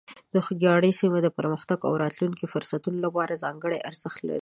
د خوږیاڼي سیمه د پرمختګ او د راتلونکو فرصتونو لپاره ځانګړې ارزښت لري.